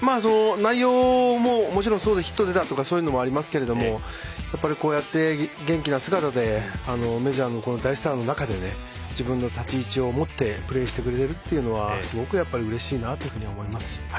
内容も、もちろんヒットで出たとかそういうのもありますけど元気な姿でメジャーの大スターの中で自分の立ち位置を持ってプレーしてくれてるというのはすごくうれしいなっていうふうに思います。